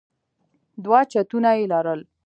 دوه چتونه يې لرل.